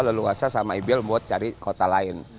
leluasa sama ibl buat cari kota lain